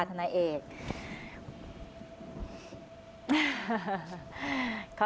สวัสดีครับ